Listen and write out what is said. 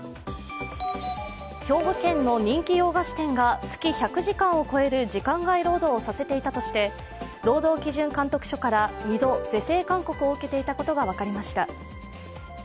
兵庫県の人気洋菓子店が月１００時間を超える時間外労働をさせていたとして、労働基準監督署から２度、是正勧告を受けていたことが分かりました。